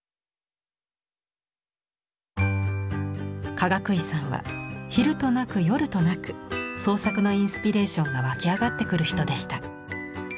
かがくいさんは昼となく夜となく創作のインスピレーションが湧き上がってくる人でした。